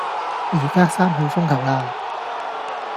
而家三號風球喇